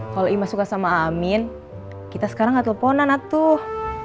kalau imas suka sama amin kita sekarang gak teleponan atuh